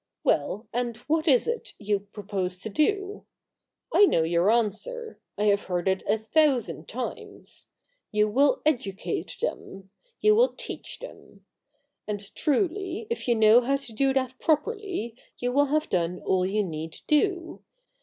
Well, and what is it you propose to do ? I know your answer — I have heard it a thousand times. You will educate them — you will teach them. And truly if you know how to do that properly, you will have done all you need do.